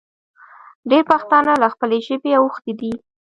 ډېر پښتانه له خپلې ژبې اوښتې دي